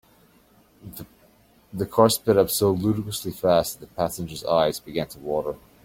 The car sped up so ludicrously fast that the passengers eyes began to water.